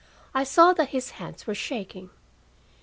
I saw that his hands were shaking.